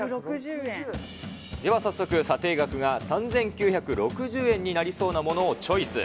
では早速、査定額が３９６０円になりそうなものをチョイス。